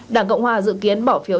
đảng cộng hòa dự kiến bỏ phiếu